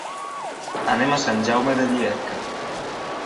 Anem a Sant Jaume de Llierca.